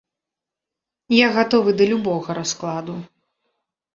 Я гатовы да любога раскладу.